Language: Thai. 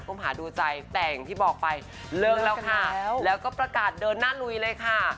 มหาดูใจแต่อย่างที่บอกไปเลิกแล้วค่ะแล้วก็ประกาศเดินหน้าลุยเลยค่ะ